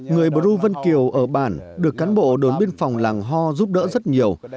người bru vân kiều ở bản được cán bộ đội biên phòng làng hoa giúp đỡ rất nhiều